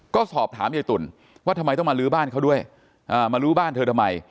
ก็สอบถามยายตุ๋นว่าทำไมต้องมาลื้อบ้านเขาด้วยมาลื้อบ้านเธอทำไม